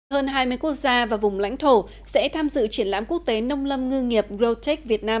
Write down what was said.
hơn hai mươi quốc gia và vùng lãnh thổ sẽ tham dự triển lãm quốc tế nông lâm ngư nghiệp grotech việt nam